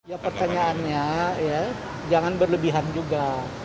ya pertanyaannya ya jangan berlebihan juga